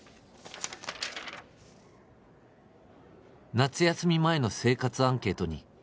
「夏休み前の生活アンケートに」